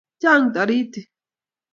chang' toritik